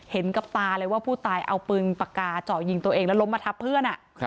เห็นกับตาเลยว่าผู้ตายเอาปืนปากกาเจาะยิงตัวเองแล้วล้มมาทับเพื่อน